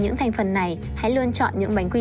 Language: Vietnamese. những thành phần này hãy luôn chọn những bánh quy